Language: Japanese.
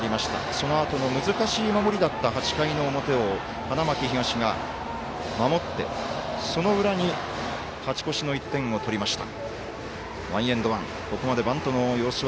そのあとの難しい守りだった８回の表を花巻東が守って、その裏に勝ち越しの１点を取りました。